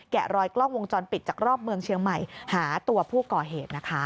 รอยกล้องวงจรปิดจากรอบเมืองเชียงใหม่หาตัวผู้ก่อเหตุนะคะ